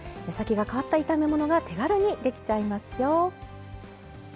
目先が変わった炒め物が手軽にできちゃいますよ！